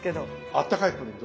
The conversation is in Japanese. あったかいプリン